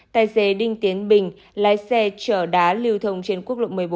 tài xế đinh tiến bình lái xe chở đá lưu thông trên quốc lộ một mươi bốn